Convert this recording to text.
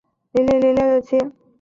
维也纳行动派代表人物。